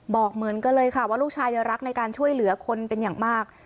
บอกเหมือนกันเลยค่ะว่าลูกชายรักในการช่วยเหลือคนเป็นอย่างมาก